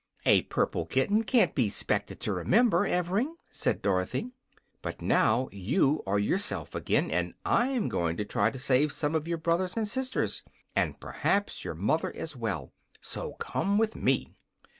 "A purple kitten can't be 'spected to remember, Evring," said Dorothy. "But now you are yourself again, and I'm going to try to save some of your brothers and sisters, and perhaps your mother, as well. So come with me."